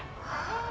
ああ